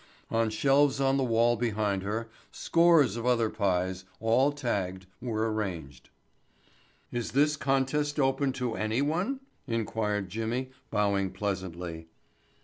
On shelves on the wall behind her, scores of other pies, all tagged, were arranged. "Is this contest open to anyone?" inquired Jimmy bowing pleasantly.